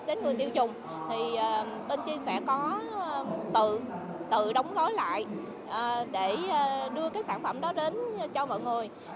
đến người tiêu dùng thì bên chi sẽ có tự đóng gói lại để đưa cái sản phẩm đó đến cho mọi người